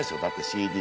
ＣＤ。